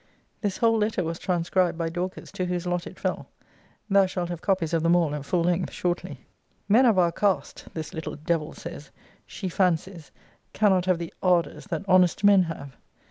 This whole letter was transcribed by Dorcas, to whose lot it fell. Thou shalt have copies of them all at full length shortly. 'Men of our cast,' this little devil says, 'she fancies, cannot have the ardours that honest men have.'